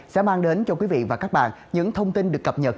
sẽ mang đến cho quý vị và các bạn những thông tin được cập nhật